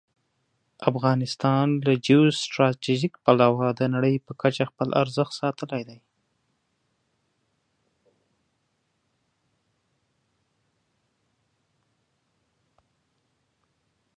افغانستان له جیو سټراټژيک پلوه د نړۍ په کچه خپل ارزښت ساتلی دی.